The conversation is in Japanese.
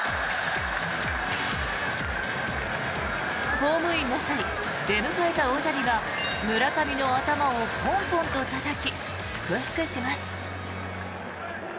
ホームインの際、出迎えた大谷が村上の頭をポンポンとたたき祝福します。